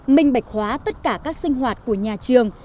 minh bạch hóa tất cả các sinh hoạt của nhà trường